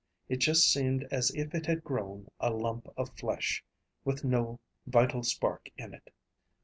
It just seemed as if it had grown a lump of flesh, with no vital spark in it."